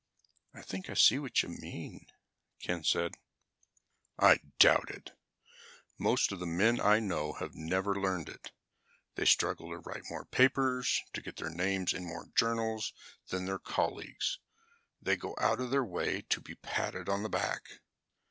"I think I see what you mean," Ken said. "I doubt it. Most of the men I know have never learned it. They struggle to write more papers, to get their names in more journals than their colleagues. They go out of their way to be patted on the back.